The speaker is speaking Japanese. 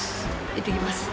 いってきます。